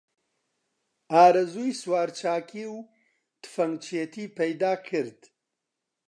ئارەزووی سوارچاکی و تفەنگچێتی پەیدا کرد